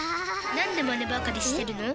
なんでマネばかりしてるの？